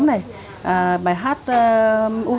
thì cũng thuộc những bài hát dân ca mường